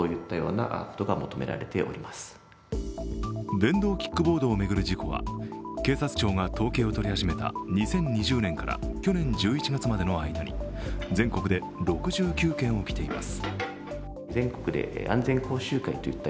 電動キックボードを巡る事故は警察庁が統計を取り始めた２０２０年から去年１１月までの間に、全国で６９件起きています。